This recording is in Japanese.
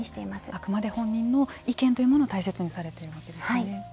あくまで本人の意見を大切にされているわけですね。